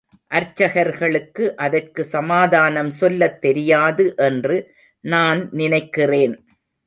அர்ச்சகர்களுக்கு அதற்கு சமாதானம் சொல்லத் தெரியாது என்று நான் நினைக்கிறேன்.